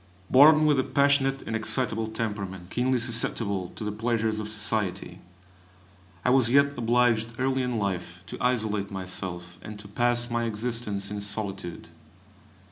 Born with a passionate and excitable temperament, keenly susceptible to the pleasures of society, I was yet obliged early in life to isolate myself, and to pass my existence in solitude.